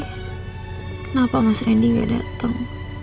kenapa mas randy gak datang